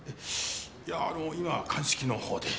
いやあの今鑑識の方で。